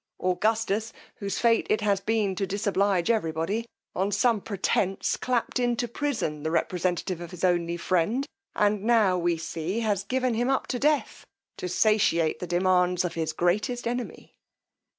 Augustus, whose fate it has been to disoblige every body, on some pretence clapp'd into prison the representative of his only friend, and now, we see, has given him up to death, to satiate the demands of his greatest enemy.